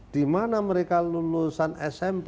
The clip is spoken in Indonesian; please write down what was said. di mana mereka lulusan smp